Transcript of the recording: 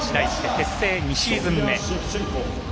結成２シーズン目。